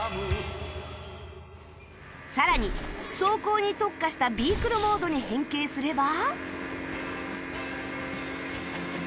さらに走行に特化したビークルモードに変形すれば